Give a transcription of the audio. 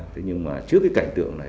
thế nhưng mà trước cái cảnh tượng này